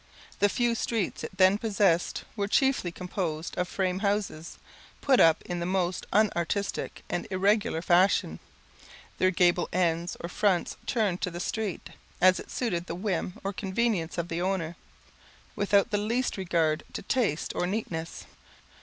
The few streets it then possessed were chiefly composed of frame houses, put up in the most unartistic and irregular fashion, their gable ends or fronts turned to the street, as it suited the whim or convenience of the owner, without the least regard to taste or neatness.